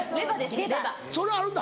それあるんだ。